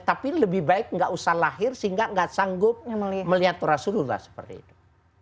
tapi lebih baik nggak usah lahir sehingga nggak sanggup melihat rasulullah seperti itu